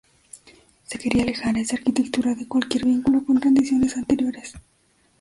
Se quería alejar a esa Arquitectura de cualquier vínculo con tradiciones anteriores.